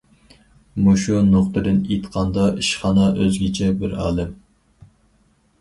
مۇشۇ نۇقتىدىن ئېيتقاندا، ئىشخانا ئۆزگىچە بىر ئالەم.